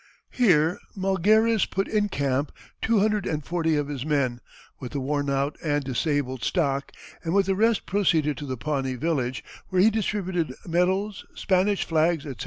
Here Malgares put in camp two hundred and forty of his men, with the worn out and disabled stock, and with the rest proceeded to the Pawnee village, where he distributed medals, Spanish flags, etc.